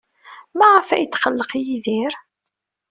Maɣef ay yetqelleq Yidir?